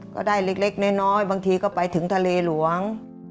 ก็ได้เล็กน้อยบางทีก็ไปถึงทะเลหลวง